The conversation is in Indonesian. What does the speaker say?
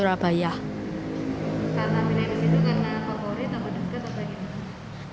karena pindah ke situ karena favorit sama deket apa gini